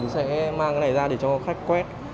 sẽ mang cái này ra để cho khách quét